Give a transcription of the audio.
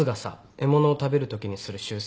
獲物を食べるときにする習性。